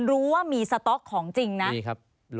รู้ว่ามีสต๊อกของจริงนะ